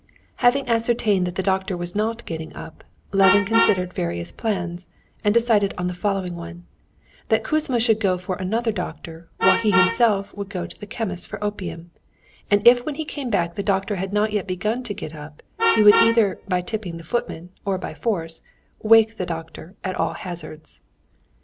Having ascertained that the doctor was not getting up, Levin considered various plans, and decided on the following one: that Kouzma should go for another doctor, while he himself should go to the chemist's for opium, and if when he came back the doctor had not yet begun to get up, he would either by tipping the footman, or by force, wake the doctor at all hazards.